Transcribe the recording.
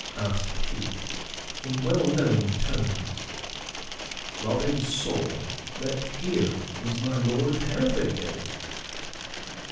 asked he, in well known tones. Robin saw that here was my lord of Hereford again!